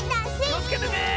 きをつけてね！